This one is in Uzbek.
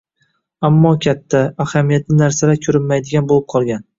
ammo katta, ahamiyatli narsalar ko‘rinmaydigan bo‘lib qolgan.